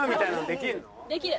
できる。